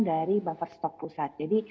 dari buffer stok pusat jadi